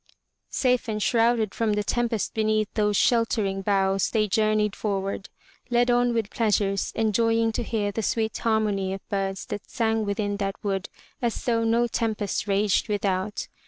Safe enshrouded from the tempest beneath those sheltering boughs they journeyed forward, led on with pleasures, and joying to hear the sweet harmony of birds that sang within that wood as though no tempest raged without.